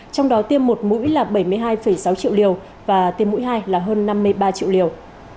trong đó tiêm một mũi là bảy mươi hai sáu triệu liều và tiêm mũi hai là hơn năm mươi ba triệu liều